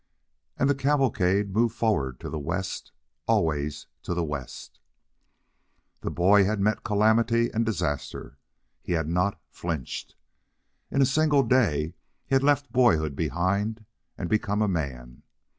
And the cavalcade moved forward to the West—always to the West. The boy had met calamity and disaster. He had not flinched. In a single day he had left boyhood behind and become a man.